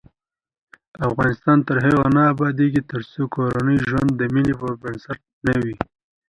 افغانستان تر هغو نه ابادیږي، ترڅو کورنی ژوند د مینې پر بنسټ نه وي.